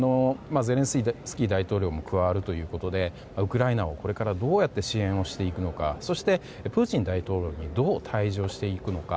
ゼレンスキー大統領も加わるということでウクライナをこれからどうやって支援していくのかそして、プーチン大統領にどう対峙をしていくのか。